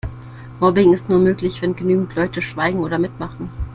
Mobbing ist nur möglich, wenn genügend Leute schweigen oder mitmachen.